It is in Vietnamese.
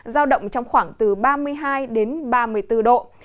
giao động trong khoảng từ ba mươi hai đến ba mươi bốn độ